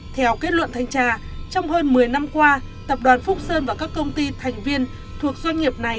theo kết luận thanh tra trong hơn một mươi năm qua tập đoàn phúc sơn và các công ty thành viên thuộc doanh nghiệp này